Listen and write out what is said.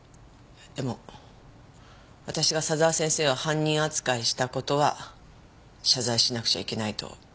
でも私が佐沢先生を犯人扱いした事は謝罪しなくちゃいけないと。